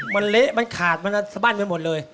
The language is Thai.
มันเละมันขาดมันสบั้นไปหมดเลย